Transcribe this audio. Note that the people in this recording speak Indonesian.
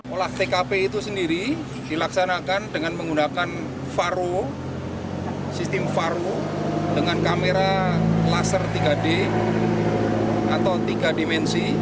olah tkp itu sendiri dilaksanakan dengan menggunakan varu sistem farou dengan kamera laser tiga d atau tiga dimensi